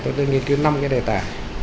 tôi đã nghiên cứu năm cái đề tài